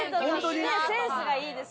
センスがいいです